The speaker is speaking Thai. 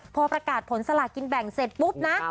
พอประกาศผลสลากินแบ่งเสร็จปุ๊บนะ